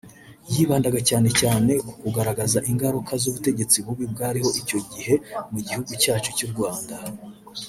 yibandaga cyane cyane ku kugaragaza ingaruka z’ubutegetsi bubi bwariho icyo gihe mu gihugu cyacu cy’u Rwanda